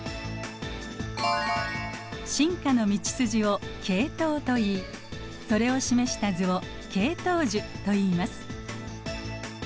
進化の道筋を系統といいそれを示した図を系統樹といいます。